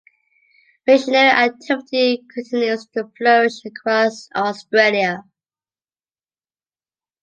Missionary activity continues to flourish across Australia.